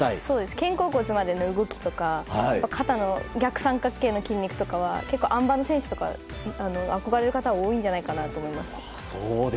肩甲骨までの動きとか肩の逆三角形の筋肉とかあん馬の選手とか憧れる方が多いんじゃないかなと思います。